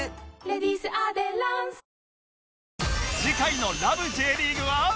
次回の『ラブ ！！Ｊ リーグ』は